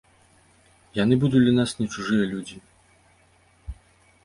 Яны будуць для нас не чужыя людзі.